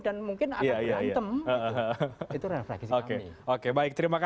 dan mungkin akan berantem